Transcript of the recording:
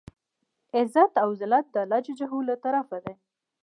عزت او زلت د الله ج له طرفه دی.